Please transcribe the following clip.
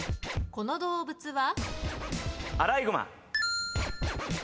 この動物は？